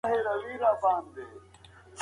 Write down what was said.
دا اپلیکیشن ستاسو د وخت سپمولو لپاره دی.